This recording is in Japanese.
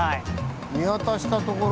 見渡したところ。